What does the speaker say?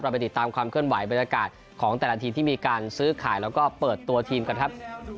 ไปติดตามความเคลื่อนไหวบรรยากาศของแต่ละทีมที่มีการซื้อขายแล้วก็เปิดตัวทีมกันครับ